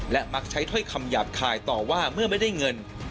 และมักใช้ถ้อยคำหยาบคายต่อว่าเมื่อไม่ได้เงิน